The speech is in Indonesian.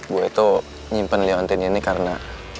gue itu nyimpen leontin ini karena